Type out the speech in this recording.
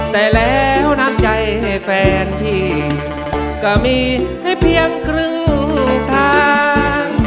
แต่แล้วน้ำใจแฟนพี่ก็มีให้เพียงครึ่งทาง